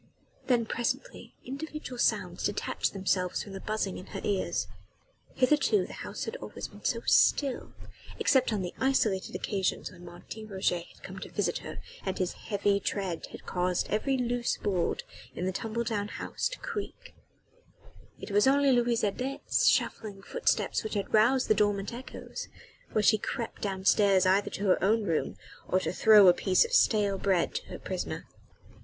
Then presently individual sounds detached themselves from the buzzing in her ears. Hitherto the house had always been so still; except on the isolated occasions when Martin Roget had come to visit her and his heavy tread had caused every loose board in the tumble down house to creak, it was only Louise Adet's shuffling footsteps which had roused the dormant echoes, when she crept upstairs either to her own room, or to throw a piece of stale bread to her prisoner.